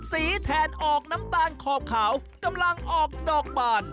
แทนออกน้ำตาลขอบขาวกำลังออกดอกบาน